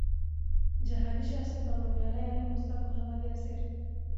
جهادي شخصیت او نومیالی عالم استاد محمد یاسر